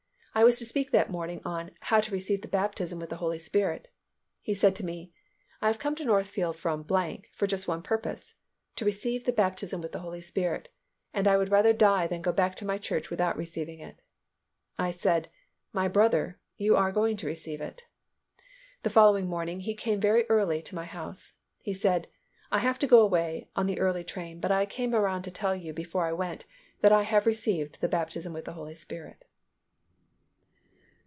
I was to speak that morning on How to Receive the Baptism with the Holy Spirit. He said to me, "I have come to Northfield from —— for just one purpose, to receive the baptism with the Holy Spirit, and I would rather die than go back to my church without receiving it." I said, "My brother, you are going to receive it." The following morning he came very early to my house. He said, "I have to go away on the early train but I came around to tell you before I went that I have received the baptism with the Holy Spirit."